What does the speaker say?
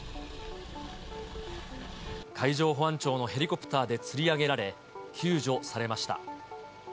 海上保安庁のヘリコプターでつり上げられ、救助されました。